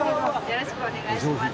よろしくお願いします。